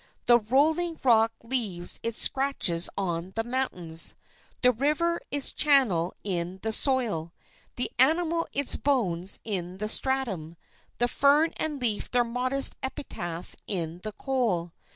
The rolling rock leaves its scratches on the mountains, the river its channel in the soil, the animal its bones in the stratum, the fern and leaf their modest epitaph in the coal.